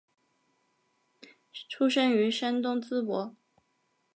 出生于山东淄博。